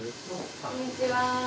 こんにちは。